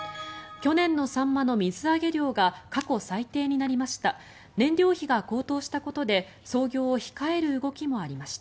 去年のサンマの水揚げ量が過去最低になりました。